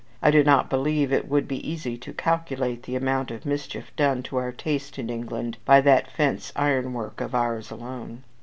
I do not believe it would be easy to calculate the amount of mischief done to our taste in England by that fence iron work of ours alone.